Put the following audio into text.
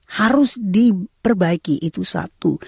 harus diperbaiki itu satu